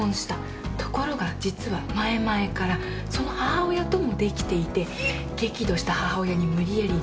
ところが実は前々からその母親ともできていて激怒した母親に無理やり離婚させられた。